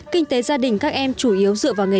kinh tế gia đình các em chủ yếu